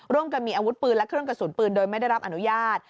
ร่วมกันมีอาวุธปืนและเครื่องกระสุนปืนโดยไม่ได้รับอนุญาต